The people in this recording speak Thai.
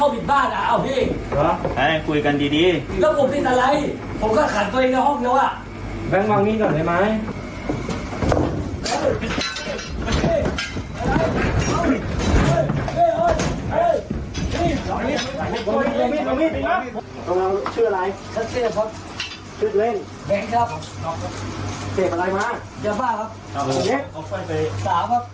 แบงก์วางนี้หน่อยให้มั้ย